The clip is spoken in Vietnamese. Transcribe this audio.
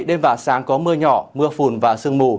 đêm và sáng có mưa nhỏ mưa phùn và sương mù